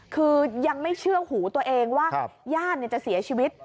คือยังไม่เชื่อหูตัวเองว่าญาติจะเสียชีวิต